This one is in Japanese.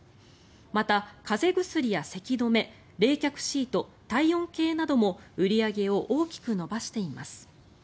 また、風邪薬やせき止め冷却シート、体温計なども売り上げを大きく伸ばしています。